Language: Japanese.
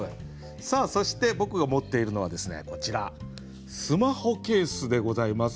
さあそして僕が持っているのはこちらスマホケースでございます。